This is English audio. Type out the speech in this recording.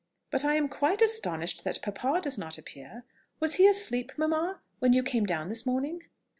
But I am quite astonished that papa does not appear: was he asleep, mamma, when you came down this morning?"